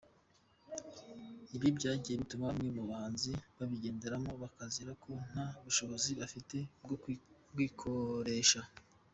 Ibi byagiye bituma bamwe mu bahanzi babigenderamo bakazira ko ntabushobozi bafite bwo kwitoresha.